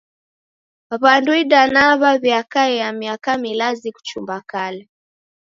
W'andu idanaa w'aw'iakaia miaka milazi kuchumba kala.